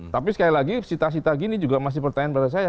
tapi sekali lagi sita sita gini juga masih pertanyaan pada saya